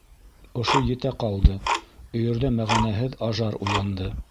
Ошо етә ҡалды: өйөрҙә мәғәнәһеҙ ажар уянды.